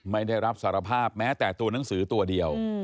ไม่ได้รับสารภาพแม้แต่ตัวหนังสือตัวเดียว